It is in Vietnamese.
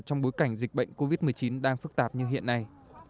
trong bối cảnh dịch bệnh covid một mươi chín đang phức tạp như hiện nay